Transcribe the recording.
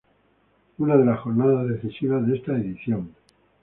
Una de las jornadas decisivas de esta edición.